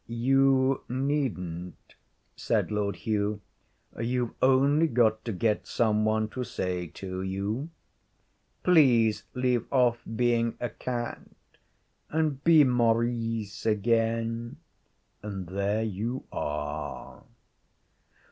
'You needn't,' said Lord Hugh. 'You've only got to get some one to say to you, "Please leave off being a cat and be Maurice again," and there you are.'